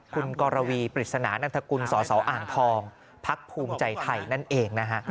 คุณกรวีปริศนานันทกุลสอสออ่างทองพักภูมิใจไทยนั่นเองนะฮะ